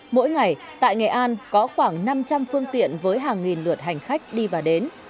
mỗi ngày tại nghệ an có khoảng năm trăm linh phương tiện với hàng nghìn lượt hành khách đi và đến